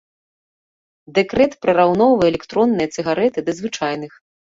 Дэкрэт прыраўноўвае электронныя цыгарэты да звычайных.